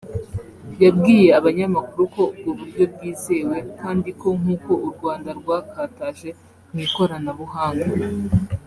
yabwiye abanyamakuru ko ubwo buryo bwizewe kandi ko nk’uko u Rwanda rwakataje mu ikoranabuhanga